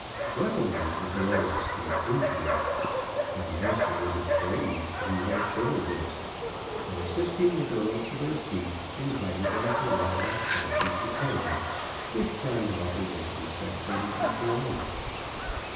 Luckily, the girls escaped injury. My master was as frightened as he was chivalrous, and assisting the girls to their feet, invited them to ride us donkeys to town; which kind offer was respectfully declined.